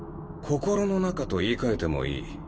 「心の中」と言いかえてもいい。